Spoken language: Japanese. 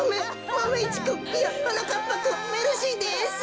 マメ１くんいやはなかっぱくんメルシーです。